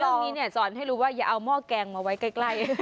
ตรงนี้เนี่ยสอนให้รู้ว่าอย่าเอาหม้อแกงมาไว้ใกล้